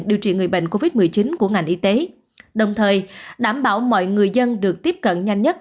điều trị người bệnh covid một mươi chín của ngành y tế đồng thời đảm bảo mọi người dân được tiếp cận nhanh nhất